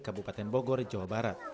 kabupaten bogor jawa barat